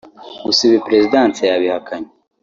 gusa ibi Perezidanse yabihakanye